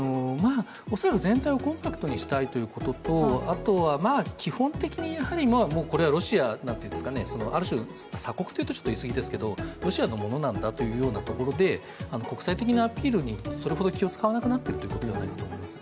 恐らく全体をコンパクトにしたいということとあとは基本的にこれはロシア、ある種の鎖国というと言い過ぎですが、ロシアのものなんだというところで国際的なアピールにそれほど気を遣わなくなっているということだと思います。